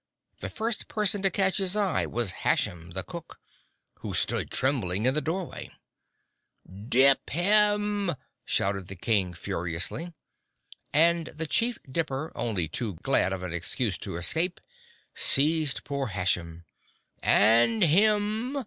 The first person to catch his eye was Hashem, the cook, who stood trembling in the doorway. "Dip him!" shouted the King furiously. And the Chief Dipper, only too glad of an excuse to escape, seized poor Hashem. "_And him!